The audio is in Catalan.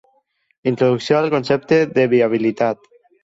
Introducció al concepte de viabilitat.